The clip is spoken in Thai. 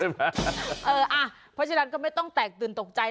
เพราะฉะนั้นก็ไม่ต้องแตกตื่นตกใจ